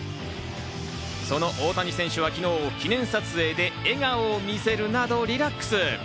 その大谷選手は昨日、記念撮影で笑顔を見せるなど、リラックス。